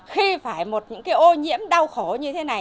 khi phải một những cái ô nhiễm đau khổ như thế này